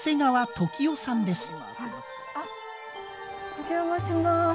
お邪魔します。